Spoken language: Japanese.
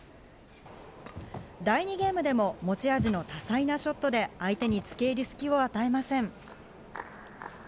第２ゲームでも持ち味の多彩なショットで相手に付け入る隙を与えません。